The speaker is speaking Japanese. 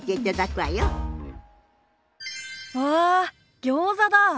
わあギョーザだ。